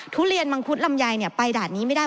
ทุเรียนมังคุดลำไยไปด่านนี้ไม่ได้